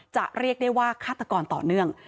เรียกได้ว่าฆาตกรต่อเนื่อง